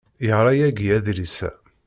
Yeɣra yagi adlis-a.